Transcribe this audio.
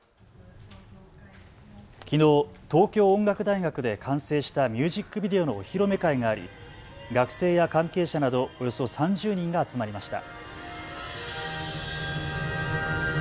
きのう東京音楽大学で完成したミュージックビデオのお披露目会があり学生や関係者などおよそ３０人が集まりました。